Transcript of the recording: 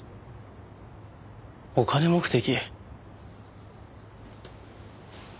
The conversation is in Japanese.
お金目的？